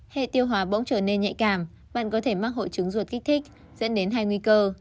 hệ tiêu hóa bỗng trở nên nhạy cảm bạn có thể mắc hội chứng ruột kích thích dẫn đến hai nguy cơ